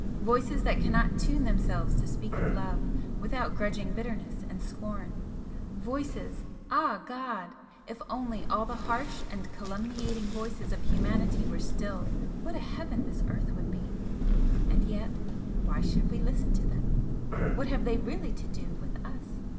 voices that cannot tune themselves to speak of love without grudging bitterness and scorn voices ah God! if only all the harsh and calumniating voices of humanity were stilled, what a heaven this earth would be! And yet why should we listen to them? What have they really to do with us?